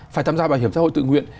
phải tham gia bảo hiểm xã hội tự nguyện